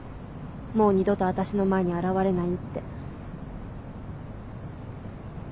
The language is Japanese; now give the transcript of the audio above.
もう二度と私の前に現れないって。